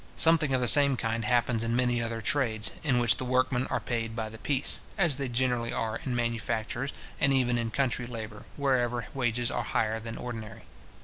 Something of the same kind happens in many other trades, in which the workmen are paid by the piece; as they generally are in manufactures, and even in country labour, wherever wages are higher than ordinary.